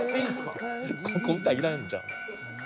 ここ歌いらんちゃうん？